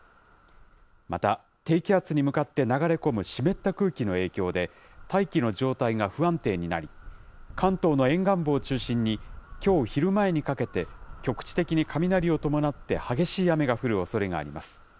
また、低気圧に向かって流れ込む湿った空気の影響で、大気の状態が不安定になり、関東の沿岸部を中心に、きょう昼前にかけて、局地的に雷を伴って激しい雨が降るおそれがあります。